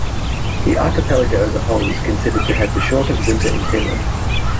The archipelago as a whole is considered to have the shortest winter in Finland.